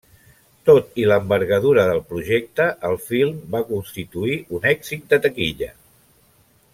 Tot i l'envergadura del projecte, el film va constituir un èxit de taquilla.